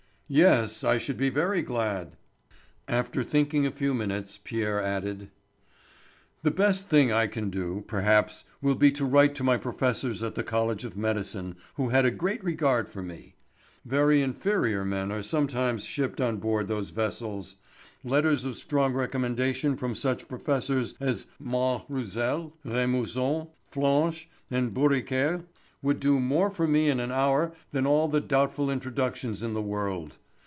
"Yes, I should be very glad." After thinking a few minutes Pierre added: "The best thing I can do, perhaps, will be to write to my professors at the college of Medicine, who had a great regard for me. Very inferior men are sometimes shipped on board those vessels. Letters of strong recommendation from such professors as Mas Roussel, Rémusot, Flanche, and Borriquel would do more for me in an hour than all the doubtful introductions in the world.